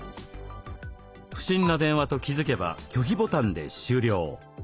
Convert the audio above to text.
不審な電話と気付けば拒否ボタンで終了。